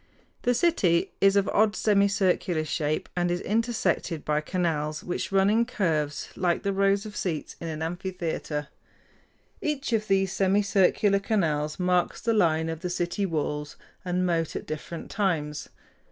The city is of odd, semicircular shape, and is intersected by canals, which run in curves like the rows of seats in an amphitheater. Each of these semicircular canals marks the line of the city walls and moat at different times.